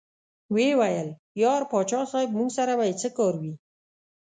ویې ویل: یار پاچا صاحب موږ سره به یې څه کار وي.